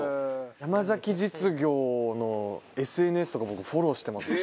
山崎実業のＳＮＳとか僕フォローしてます。